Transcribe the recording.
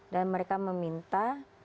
dan mereka meminta